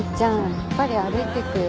やっぱり歩いてくよ。